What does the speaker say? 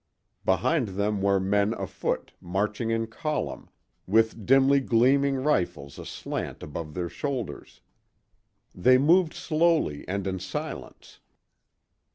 Behind them were men afoot, marching in column, with dimly gleaming rifles aslant above their shoulders. They moved slowly and in silence.